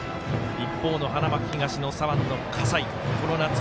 一方の花巻東の左腕の葛西。